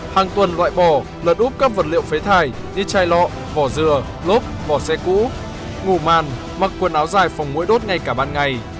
hàng tuần loại bỏ lật úp các vật liệu phế thải như chai lọ vỏ dừa lốp vỏ xe cũ ngủ màn mặc quần áo dài phòng mũi đốt ngay cả ban ngày